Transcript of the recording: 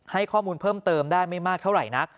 ให้ข้อมูลเพิ่มเติมได้ไม่มากเท่าไหร่นัก